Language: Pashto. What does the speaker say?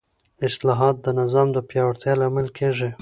اصلاحات د نظام د پیاوړتیا لامل کېږي